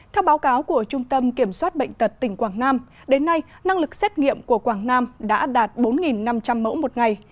theo báo cáo của trung tâm kiểm soát bệnh tật tỉnh quảng nam đến nay năng lực xét nghiệm của quảng nam đã đạt bốn năm trăm linh mẫu một ngày